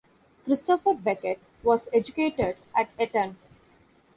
Christopher Beckett was educated at Eton.